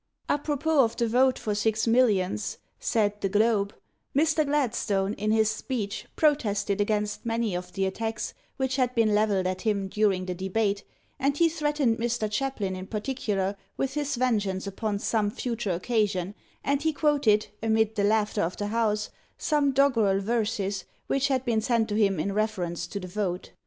"Apropos of the vote for six millions,'' said The Globe, " Mr. Gladstone, in his speech, protested against many of the attacks which had been levelled at him during the debate, and he threatened Mr. Chaplin in particular with his vengeance upon some future occasiou, and he quoted, amid the laughter of the House, some doggerel verses which had been sent to him in reference to the vote.